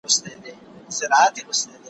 د لباس كيسې عالم وې اورېدلي